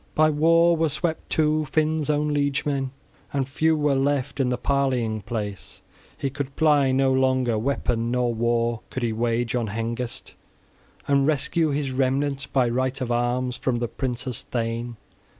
By war were swept, too, Finn's own liegemen, and few were left; in the parleying place {16g} he could ply no longer weapon, nor war could he wage on Hengest, and rescue his remnant by right of arms from the prince's thane.